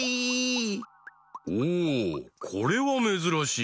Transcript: おおこれはめずらしい。